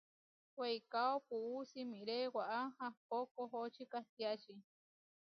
Weikáo puú simiré waʼá ahpó koʼočí kahtiači.